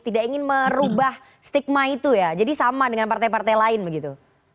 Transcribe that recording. tidak ingin merubah stigma itu ya jadi sama dengan partai partai lain begitu